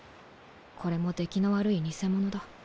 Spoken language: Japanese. これも出来の悪い偽物だ。